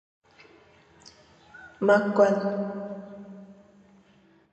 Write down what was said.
Ma koan.